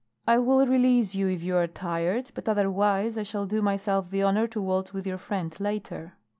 "I will release you if you are tired, but otherwise I shall do myself the honor to waltz with your friend later."